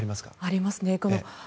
ありますね。